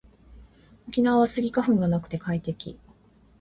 沖縄はスギ花粉がなくて快適